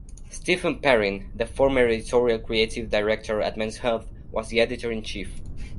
Stephen Perrine, the former editorial creative director at "Men's Health", was the editor-in-chief.